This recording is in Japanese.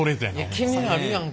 気になるやんか。